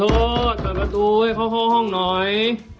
เปิดประตูให้เขาเข้าห้องหน่อย